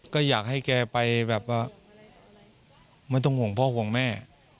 ก็อยากให้แกไปแบบว่าไม่ต้องห่วงพ่อห่วงแม่